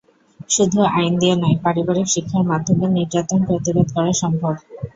শুধু আইন দিয়ে নয়, পারিবারিক শিক্ষার মাধ্যমেও নির্যাতন প্রতিরোধ করা সম্ভব।